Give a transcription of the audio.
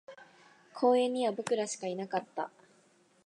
公園には僕らしかいなかった